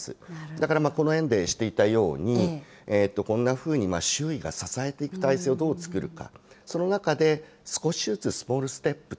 だからこの園でしていたように、こんなふうに周囲が支えていくどう作るか。